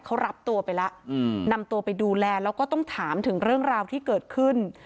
เขารับตัวไปแล้วนำตัวไปดูแลแล้วก็ต้องถามถึงเรื่องราวที่เกิดขึ้น